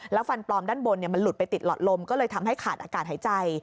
ฟันปลอมด้านบนมันหลุดไปติดหลอดลมก็เลยทำให้ขาดอากาศหายใจ